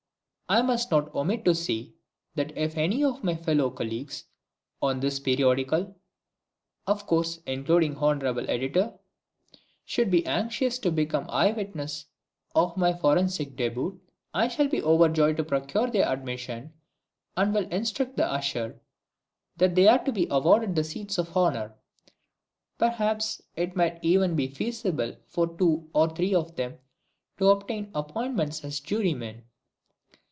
I must not omit to say that if any of my fellow colleagues on this periodical (of course including Hon'ble Editor) should be anxious to become eye witnesses of my forensic début, I shall be overjoyed to procure their admission and will instruct the Usher that they are to be awarded the seats of honour. Perhaps it might even be feasible for two or three of them to obtain appointments as jurymen.